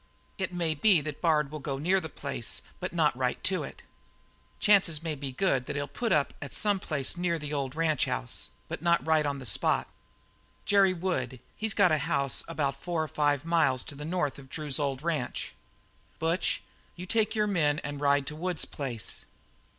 "It may be that Bard will go near the old place, but not right to it. Chances may be good that he'll put up at some place near the old ranchhouse, but not right on the spot. Jerry Wood, he's got a house about four or five miles to the north of Drew's old ranch. Butch, you take your men and ride for Wood's place.